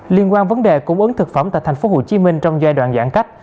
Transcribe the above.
liên quan vấn đề cung ứng thực phẩm tại tp hcm trong giai đoạn giãn cách